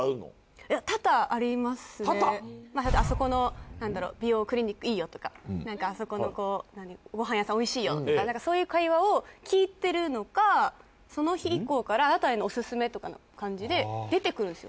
あそこの美容クリニックいいよとかあそこのご飯屋さんおいしいよとかそういう会話を聞いてるのかその日以降からあなたへのオススメとかの感じで出てくるんですよ